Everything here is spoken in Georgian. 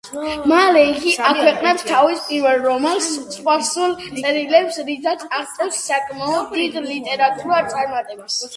მალე იგი აქვეყნებს თავის პირველ რომანს, „სპარსულ წერილებს“, რითაც აღწევს საკმაოდ დიდ ლიტერატურულ წარმატებას.